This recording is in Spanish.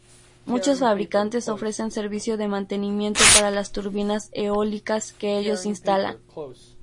Muchos fabricantes ofrecen servicio de mantenimiento para las turbinas eólicas que ellos instalan.